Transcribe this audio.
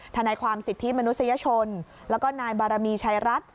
ทนายความสิทธิมนุษยชนแล้วก็นายบารมีชัยรัฐ